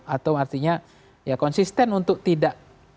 atau artinya ya konsisten untuk tidak bergabung gitu